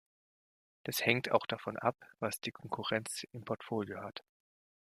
Das hängt auch davon ab, was die Konkurrenz im Portfolio hat.